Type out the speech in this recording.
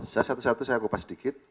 saya satu satu saya kupas sedikit